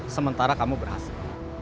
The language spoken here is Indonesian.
sementara kamu berhasil